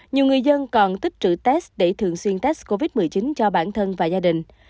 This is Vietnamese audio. nhiều người dân còn tích trữ test để thường xuyên test covid một mươi chín cho bản thân và gia đình